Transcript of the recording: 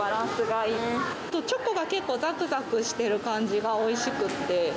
チョコが結構、ざくざくしてる感じがおいしくって。